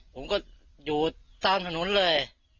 ผมก็อยู่ตามถนนเลย